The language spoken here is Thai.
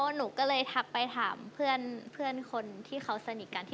หนูก็เลยทักไปถามเพื่อนคนที่เขาสนิทกัน